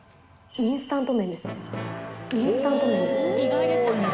インスタント麺？